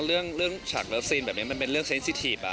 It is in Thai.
เรื่องชักรัฐสีนแบบนี้มันเป็นเรื่องสินสิทีฟ